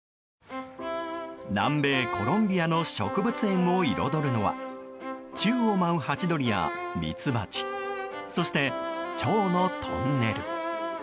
南米コロンビアの植物園を彩るのは宙を舞うハチドリやミツバチそしてチョウのトンネル。